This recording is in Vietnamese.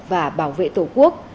và bảo vệ tổ quốc